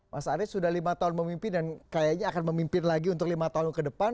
mas arief sudah lima tahun memimpin dan kayaknya akan memimpin lagi untuk lima tahun ke depan